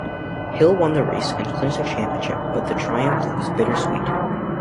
Hill won the race and clinched the championship but the triumph was bittersweet.